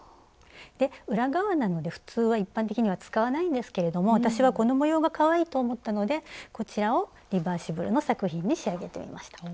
裏側なので普通は一般的には使わないんですけれども私はこの模様がかわいいと思ったのでこちらをリバーシブルの作品に仕上げてみました。